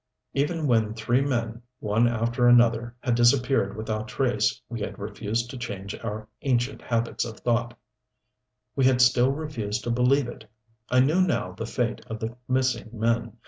Even when three men, one after another, had disappeared without trace we had refused to change our ancient habits of thought: we had still refused to believe. I knew now the fate of the missing men.